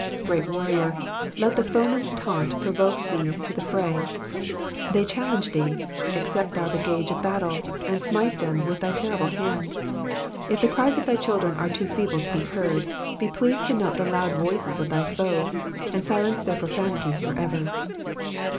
'*'* Great warrior let the foemen*8 taunt provoke thee to the fray. They challenge thee ; accept thou the gage of battle, and smite them with thy terrible hand. If the cries of thy children are too feeble to be heard, be pleased to note the loud voices of thy foes and silence their profanities for ever.